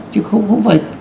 chứ không phải